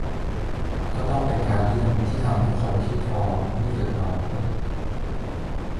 ก็ต้องเป็นการเลื่อนที่ทำให้คนที่พร้อมไม่เดือดร้อนด้วย